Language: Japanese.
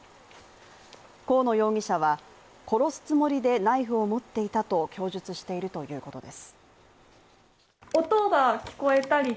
河野容疑者は殺すつもりでナイフを持っていたと供述しているということです。